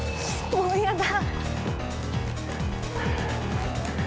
もうやだ。